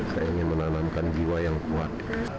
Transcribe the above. saya ingin menanamkan jiwa yang kuat